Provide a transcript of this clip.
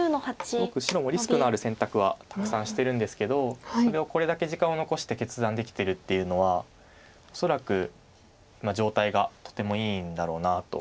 すごく白もリスクのある選択はたくさんしてるんですけどそれをこれだけ時間を残して決断できてるっていうのは恐らく状態がとてもいいんだろうなと。